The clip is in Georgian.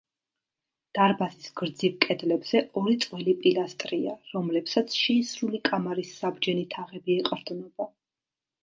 დარბაზის გრძივ კედლებზე ორი წყვილი პილასტრია, რომლებსაც შეისრული კამარის საბჯენი თაღები ეყრდნობა.